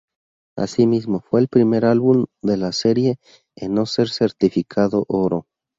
Asimismo, fue el primer álbum de la serie en no ser certificado Oro.